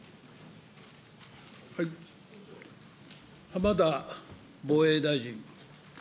浜田防衛大臣。